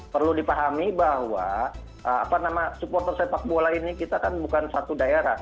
perlu dipahami bahwa supporter sepak bola ini kita kan bukan satu daerah